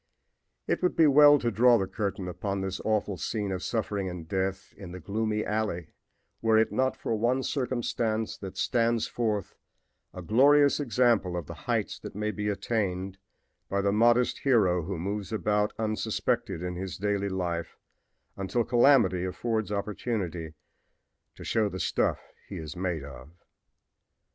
It would be well to draw the curtain upon this awful scene of suffering and death in the gloomy alley were it not for one circumstance that stands forth a glorious example of the heights that may be attained by the modest hero who moves about unsuspected in his daily life until calamity affords opportunity to show the stuff he is made of.